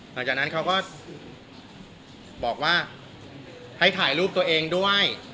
หลังจากนั้นเขาก็บอกว่าให้ถ่ายรูปตัวเองด้วย